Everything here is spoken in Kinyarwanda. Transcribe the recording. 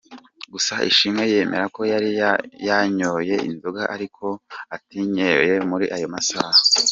Gusa Ishimwe yemera ko yari yanyoye inzoga ariko ko atazinyweye muri ayo masaha.